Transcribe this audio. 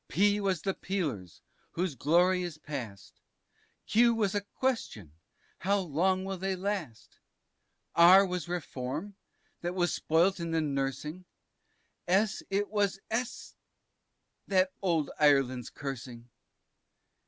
P was the Peelers, whose glory is past, Q was a Question how long will they last? R was Reform, that was spoilt in the nursing, S it was S y, that old Ireland's cursing.